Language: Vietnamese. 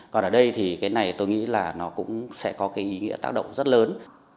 còn ở đây thì cái này tôi nghĩ là nó cũng sẽ có cái ý nghĩa tác động rất lớn